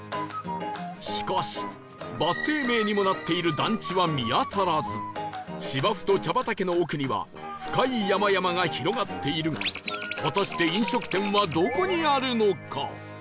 しかしバス停名にもなっている団地は見当たらず芝生と茶畑の奥には深い山々が広がっているが果たして飲食店はどこにあるのか？